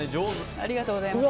ありがとうございます。